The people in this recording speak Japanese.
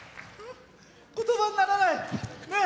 言葉にならない。